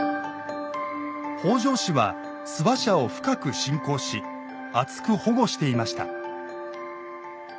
北条氏は諏訪社を深く信仰しあつく保護していました。